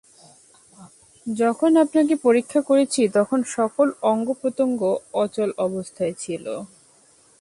যখন আপনাকে পরীক্ষা করেছি তখন সকল অঙ্গপ্রত্যঙ্গ অচল অবস্থায় ছিল।